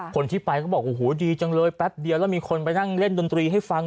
คนที่ไปก็บอกโอ้โหดีจังเลยแป๊บเดียวแล้วมีคนไปนั่งเล่นดนตรีให้ฟัง